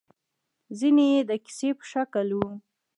ځينې يې د کيسې په شکل وو.